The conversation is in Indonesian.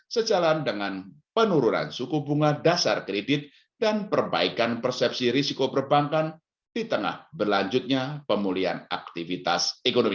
sejalan dengan penurunan suku bunga dasar kredit dan perbaikan persepsi risiko perbankan di tengah berlanjutnya pemulihan aktivitas ekonomi